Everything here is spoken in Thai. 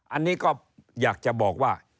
อันนี้ก็อยากจะบอกว่า